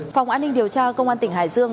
phòng an ninh điều tra công an tỉnh hải dương